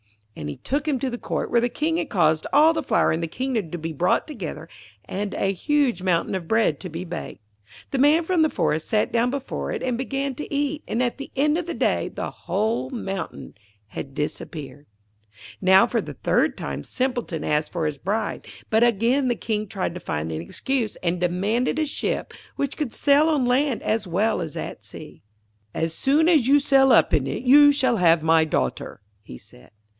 And he took him to the Court, where the King had caused all the flour in the kingdom to be brought together, and a huge mountain of bread to be baked. The Man from the forest sat down before it and began to eat, and at the end of the day the whole mountain had disappeared. Now, for the third time, Simpleton asked for his bride. But again the King tried to find an excuse, and demanded a ship which could sail on land as well as at sea. 'As soon as you sail up in it, you shall have my daughter,' he said.